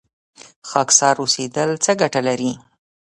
خاکسار اوسیدل څه ګټه لري؟